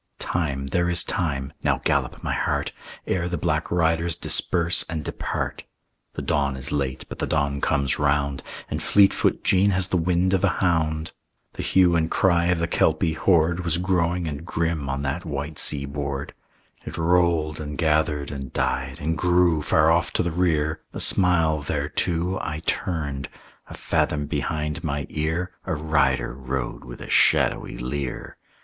Time, there is time (now gallop, my heart!) Ere the black riders disperse and depart. The dawn is late, but the dawn comes round, And Fleetfoot Jean has the wind of a hound. The hue and cry of the Kelpie horde Was growing and grim on that white seaboard. It rolled and gathered and died and grew Far off to the rear; a smile thereto I turned; a fathom behind my ear A rider rode with a shadowy leer.